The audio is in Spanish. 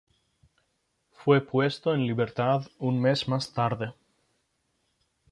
Fue puesto en libertad un mes más tarde.